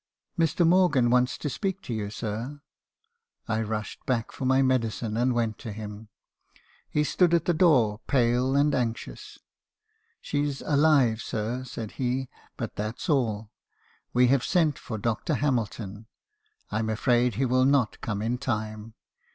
"' Mr. Morgan wants to speak to you , sir !" "I rushed back for my medicine, and went to him. He stood at the door, pale and anxious. "'She's alive, sir,' said he, 'but that's all. We have sent for Dr. Hamilton. I 'm afraid he will not come in time.